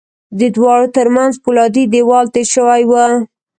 د دواړو ترمنځ پولادي دېوال تېر شوی و